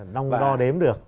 đông đo đếm được